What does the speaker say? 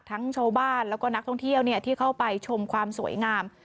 ชาวบ้านแล้วก็นักท่องเที่ยวที่เข้าไปชมความสวยงาม